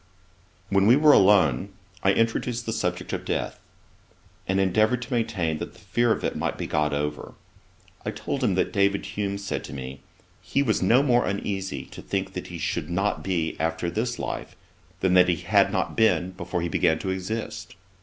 When we were alone, I introduced the subject of death, and endeavoured to maintain that the fear of it might be got over. I told him that David Hume said to me, he was no more uneasy to think he should not be after this life, than that he had not been before he began to exist.